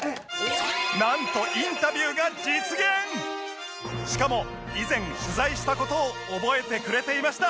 なんとしかも以前取材した事を覚えてくれていました